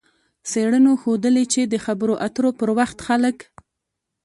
څېړنو ښودلې چې د خبرو اترو پر وخت خلک